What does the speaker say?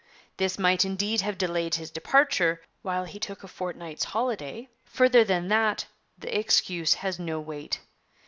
This might indeed have delayed his departure, while he took a fortnight's holiday; further than that the excuse has no weight.